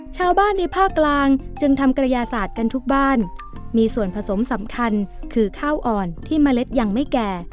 ชาวบ้านในภาคกลางจึงทำกระยาศาสตร์กันทุกบ้านมีส่วนผสมสำคัญคือข้าวอ่อนที่เมล็ดยังไม่แก่